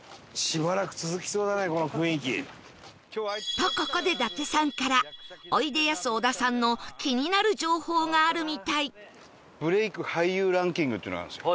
とここで伊達さんからおいでやす小田さんの気になる情報があるみたいっていうのがあるんですよ。